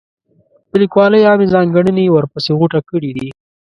د لیکوالۍ عامې ځانګړنې یې ورپسې غوټه کړي دي.